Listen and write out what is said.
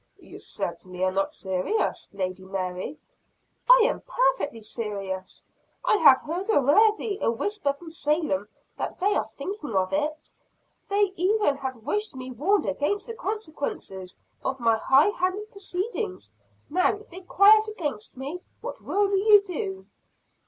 "You certainly are not serious, Lady Mary?" "I am perfectly serious. I have heard already a whisper from Salem that they are thinking of it. They even have wished me warned against the consequences of my high handed proceedings. Now if they cry out against me, what will you do?"